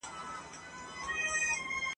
هسي نه ده چي نېستۍ ته برابر سو !.